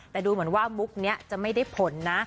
แต่ดูเหมือนว่ามุกนี้จะไม่ได้ผลนะ